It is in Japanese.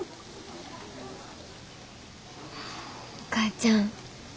お母ちゃん。